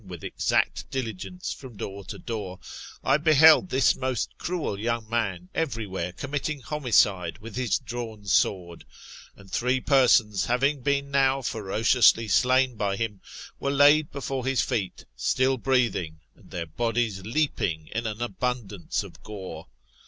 37 with exact diligence from door to door, I beheld this most cruel young man every where committing homicide with hit drawn sword ; and three persons having been now ferociously slain by him, were laid before his feet, still breathing, and their bodies leaping in an abundance of gore.